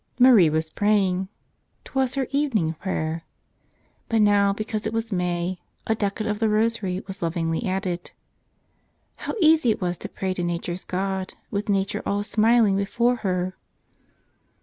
Marie was praying. 'Twas her evening prayer. But now, because it was May, a decade of the rosary was lov¬ ingly added. How easy it was to pray to nature's God with nature all a smiling before her!